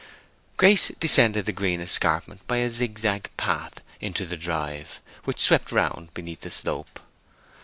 Grace descended the green escarpment by a zigzag path into the drive, which swept round beneath the slope.